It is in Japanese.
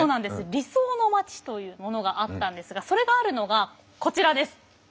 理想の町というものがあったんですがそれがあるのがこちらです！